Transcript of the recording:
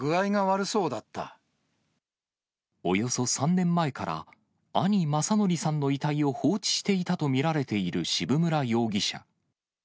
およそ３年前から、兄、政憲さんの遺体を放置していたと見られている渋村容疑者。